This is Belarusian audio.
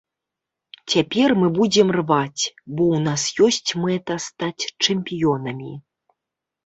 Цяпер мы будзем рваць, бо ў нас ёсць мэта стаць чэмпіёнамі.